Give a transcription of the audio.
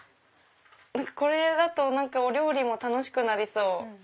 これだとお料理も楽しくなりそう。